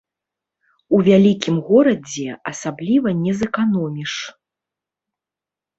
У вялікім горадзе асабліва не зэканоміш.